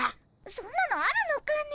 そんなのあるのかね。